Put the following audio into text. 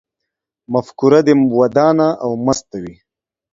مفکوره دې ودانه او مسته وي